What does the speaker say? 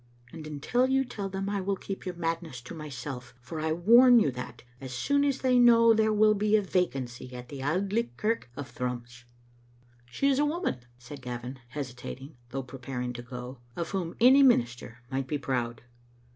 " And until you tell them I will keep your madness to myself, for I warn you that, as soon as they do know, there will be a vacancy in the Auld Licht kirk of Thrums." "She is a woman," said Gavin, hesitating, though preparing to go, "of whom any minister might be proud."